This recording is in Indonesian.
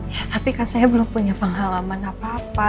ya tapi kan saya belum punya pengalaman apa apa